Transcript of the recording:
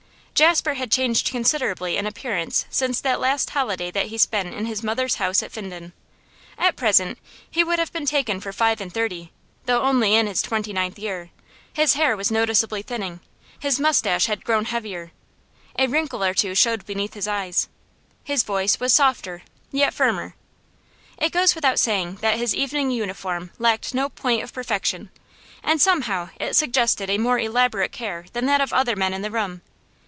Jasper had changed considerably in appearance since that last holiday that he spent in his mother's house at Finden. At present he would have been taken for five and thirty, though only in his twenty ninth year; his hair was noticeably thinning; his moustache had grown heavier; a wrinkle or two showed beneath his eyes; his voice was softer, yet firmer. It goes without saying that his evening uniform lacked no point of perfection, and somehow it suggested a more elaborate care than that of other men in the room.